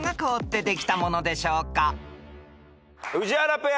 宇治原ペア。